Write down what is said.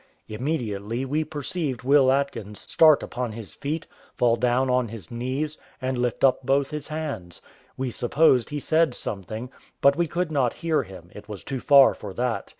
Immediately we perceived Will Atkins start upon his feet, fall down on his knees, and lift up both his hands. We supposed he said something, but we could not hear him; it was too far for that.